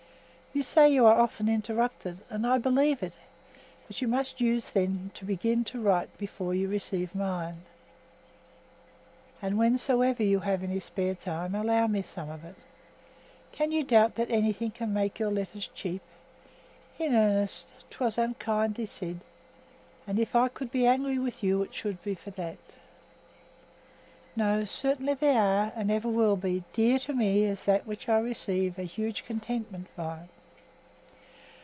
You say you are often interrupted, and I believe it; but you must use then to begin to write before you receive mine, and whensoever you have any spare time allow me some of it. Can you doubt that anything can make your letters cheap? In earnest, 'twas unkindly said, and if I could be angry with you it should be for that. No, certainly they are, and ever will be, dear to me as that which I receive a huge contentment by.